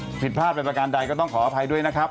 ผิดพลาดเป็นประการใดก็ต้องขออภัยด้วยนะครับ